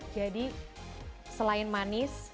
jadi selain manis